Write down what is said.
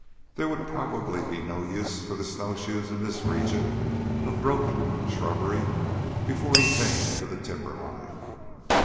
There would probably be no use for the snowshoes in this region of broken shrubbery before he came to the timberline.